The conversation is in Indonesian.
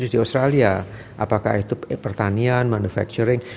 di australia apakah itu pertanian manufacturing